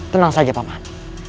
tenang saja paman